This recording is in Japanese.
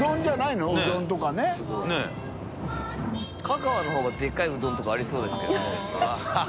香川のほうがでかいうどんとかありそうですけどね。